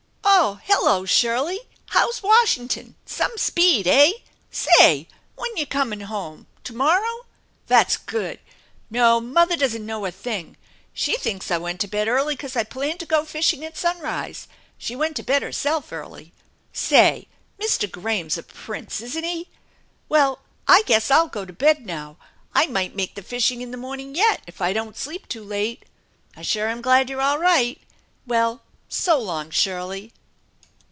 Oh, hello, Shirley! How's Washington? Some speed, eh? Say, when ya coming home ? To morrow ? That's good. No, mother doesn't know a thing. She thinks I went to bed early 'cause I planned to go fishing at sunrise. She went to bed herself early. Say, Mister Graham's a prince, isn't he ? Well, I guess I'll go to bed now. I might make the fishing in the morning yet, if I don't sleep too late. I sure am glad you're all right ! Well, so long, Shirley